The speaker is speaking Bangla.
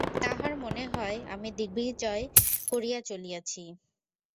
তাঁহার মনে হয়, আমি দিগ্বিজয় করিয়া চলিয়াছি।